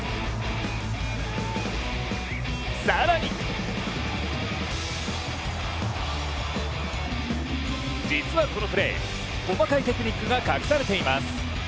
更に実はこのプレー細かいテクニックが隠されています。